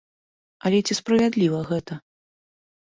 Але ці справядліва гэта?